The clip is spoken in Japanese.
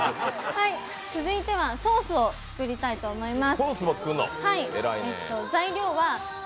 続いてはソースを作りたいと思います。